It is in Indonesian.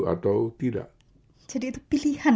atau tidak jadi itu pilihan